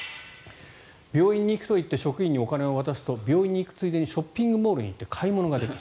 病院に行くと言って職員にお金を渡すと病院に行くついでにショッピングモールに行って買い物ができる。